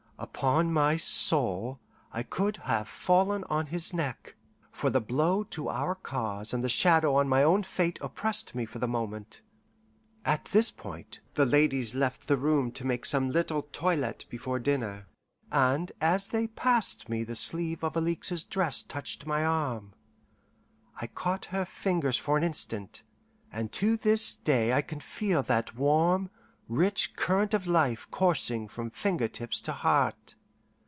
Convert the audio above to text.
Upon my soul, I could have fallen on his neck, for the blow to our cause and the shadow on my own fate oppressed me for the moment. At this point the ladies left the room to make some little toilette before dinner, and as they passed me the sleeve of Alixe's dress touched my arm. I caught her fingers for an instant, and to this day I can feel that warm, rich current of life coursing from finger tips to heart.